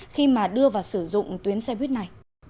khi mà đưa vào sử dụng tuyến xe buýt này